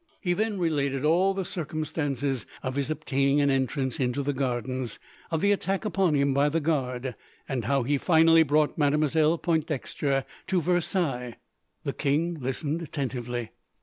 He then related all the circumstances of his obtaining an entrance into the gardens, of the attack upon him by the guard, and how he finally brought Mademoiselle Pointdexter to Versailles. The king listened attentively.